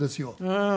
うん。